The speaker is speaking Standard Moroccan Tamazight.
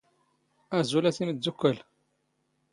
ⴰⵣⵓⵍ ⴰ ⵜⵉⵎⴷⴷⵓⴽⴽⵯⴰⵍ